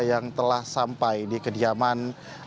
yang telah sampai di kediaman